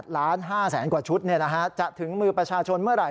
ล้าน๕แสนกว่าชุดจะถึงมือประชาชนเมื่อไหร่